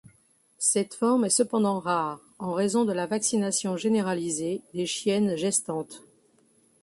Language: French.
Cette forme est cependant rare, en raison de la vaccination généralisée des chiennes gestantes.